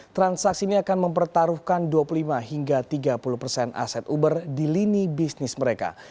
transaksi ini akan mempertaruhkan dua puluh lima hingga tiga puluh persen aset uber di lini bisnis mereka